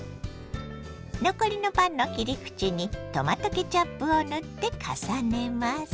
残りのパンの切り口にトマトケチャップを塗って重ねます。